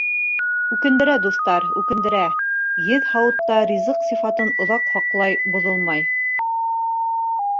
Үкендерә, дуҫтар, үкендерә, Еҙ һауытта ризыҡ сифатын оҙаҡ һаҡлай, боҙолмай.